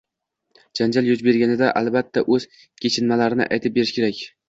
Janjal yuz berganida albatta o‘z kechinmalarini aytib berish kerak